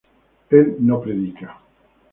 él no predica